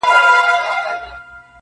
کورنۍ پرېکړه کوي په وېره-